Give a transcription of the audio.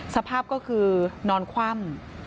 สภาพก็คือนอนคว่ำ